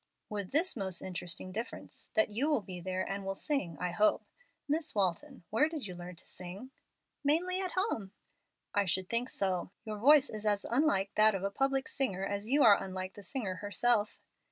"With this most interesting difference, that you will be there and will sing, I hope. Miss Walton, where did you learn to sing?" "Mainly at home." "I should think so. Your voice is as unlike that of a public singer as you are unlike the singer herself."